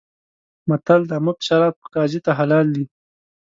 متل دی: مفت شراب قاضي ته حلال دي.